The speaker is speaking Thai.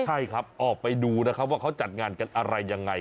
ใช่ครับออกไปดูนะครับว่าเขาจัดงานกันอะไรยังไง